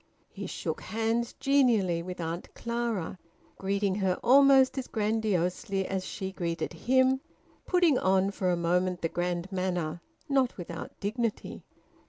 He shook hands genially with Auntie Clara, greeting her almost as grandiosely as she greeted him, putting on for a moment the grand manner, not without dignity.